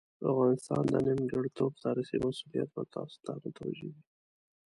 د افغانستان د نیمګړتوب تاریخي مسوولیت به تاسو ته متوجه وي.